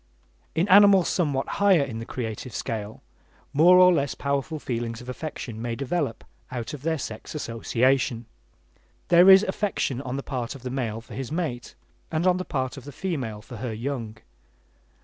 In animals somewhat higher in the creative scale, more or less powerful feelings of affection may develop out of their sex association. There is affection on the part of the male for his mate, and on the part of the female for her young.